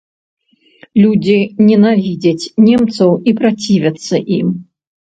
Людзі ненавідзяць немцаў і працівяцца ім.